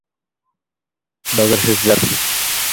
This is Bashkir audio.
Бәғерһеҙҙәр!